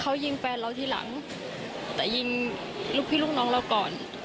เขายิงแฟนเราทีหลังแต่ยิงลูกพี่ลูกน้องเราก่อน